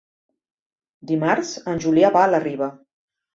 Dimarts en Julià va a la Riba.